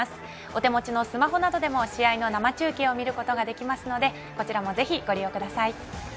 お手持ちのスマホなどでも試合の生中継を見ることができますのでこちらもぜひご利用ください。